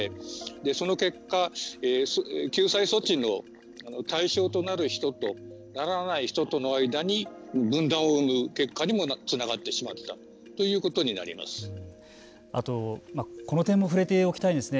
その結果、救済措置の対象となる人とならない人との間に分断を生む結果にもつながってしまったあと、この点も触れておきたいですね。